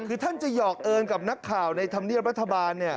คือท่านจะหอกเอิญกับนักข่าวในธรรมเนียบรัฐบาลเนี่ย